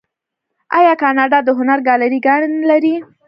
آیا کاناډا د هنر ګالري ګانې نلري؟